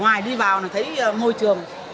ngoài đi vào thấy môi trường